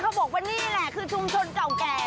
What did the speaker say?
เขาบอกว่านี่แหละคือชุมชนเก่าแก่